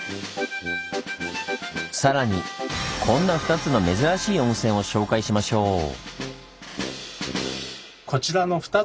さらにこんな２つの珍しい温泉を紹介しましょう！